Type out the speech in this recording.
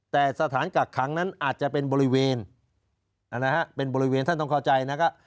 แต่สถานกักขังนั้นอาจจะเป็นบริเวณนะฮะเป็นบริเวณท่านต้องเข้าใจนะครับ